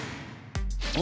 お？